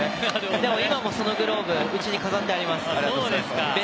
でも今もそのグローブ、うちに飾ってあります。